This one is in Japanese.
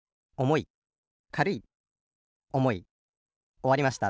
おわりました。